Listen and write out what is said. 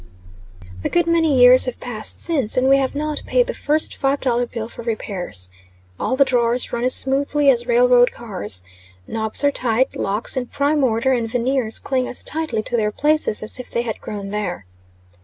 A good many years have passed since, and we have not paid the first five dollar bill for repairs. All the drawers run as smoothly as railroad cars; knobs are tight; locks in prime order, and veneers cling as tightly to their places as if they had grown there.